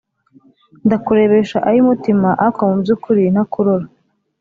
ndakurebesha ay’umutima ako mubyukuri ntakurora